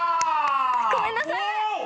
ごめんなさい。